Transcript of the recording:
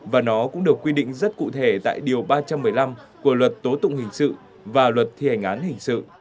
và nó cũng được quy định rất cụ thể tại điều ba trăm một mươi năm của luật tố tụng hình sự và luật thi hành án hình sự